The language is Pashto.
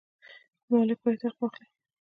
مالک باید حق واخلي.